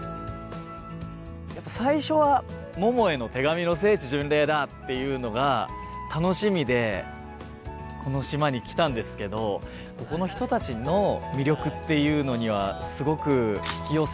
やっぱ最初は「ももへの手紙」の聖地巡礼だっていうのが楽しみでこの島に来たんですけどここの人たちの魅力っていうのにはすごく引き寄せられた気がします。